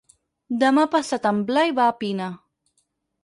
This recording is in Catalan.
Demà passat en Blai va a Pina.